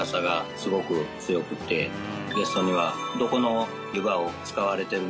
ゲストには。